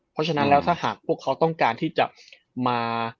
เพราะฉะนั้นแล้วถ้าหากพวกเขาต้องการที่จะมา